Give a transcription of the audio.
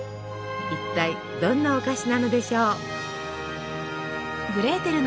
一体どんなお菓子なのでしょう。